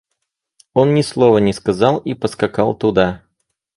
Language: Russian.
Он ни слова не сказал и поскакал туда.